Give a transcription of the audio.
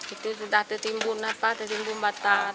itu sudah tertimbun batat